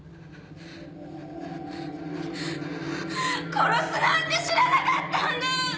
殺すなんて知らなかったんだ！